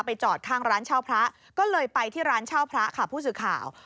จอดข้างร้านเช่าพระก็เลยไปที่ร้านเช่าพระค่ะผู้สื่อข่าว